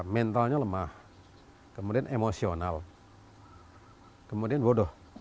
mentalnya lemah kemudian emosional kemudian bodoh